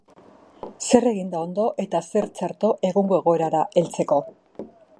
Zer egin da ondo eta zer txarto egungo egoerara heltzeko?